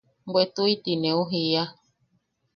Bwe tuiti neu jia.